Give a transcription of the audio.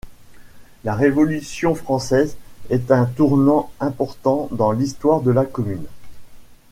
La Révolution française est un tournant important dans l’histoire de la commune.